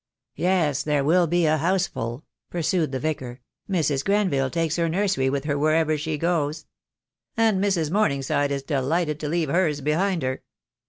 "Yes, there will be a houseful," pursued the Vicar; "Mrs. Grenville takes her nursery with her wherever she goes." "And Mrs. Morningside is delighted to leave hers behind her."